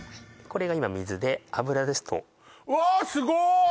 これが今水で油ですとうわすごい！